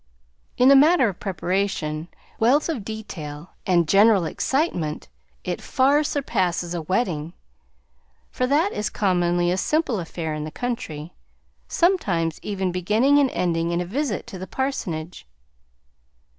In the matter of preparation, wealth of detail, and general excitement it far surpasses a wedding; for that is commonly a simple affair in the country, sometimes even beginning and ending in a visit to the parsonage.